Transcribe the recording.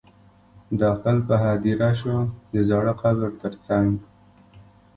داخل په هدیره شو د زاړه قبر تر څنګ.